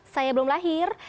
saya belum lahir